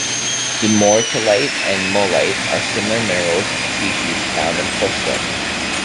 Dumortierite and mullite are similar mineral species found in porcelain.